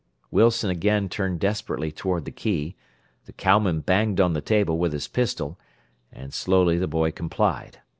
Wilson again turned desperately toward the key, the cowman banged on the table with his pistol, and slowly the boy complied.